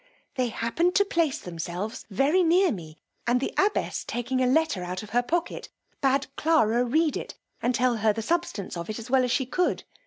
They happened to place themselves very near me; and the abbess taking a letter out of her pocket, bad Clara read it, and tell her the substance of it as well as she could.